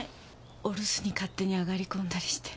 お留守に勝手に上がり込んだりして。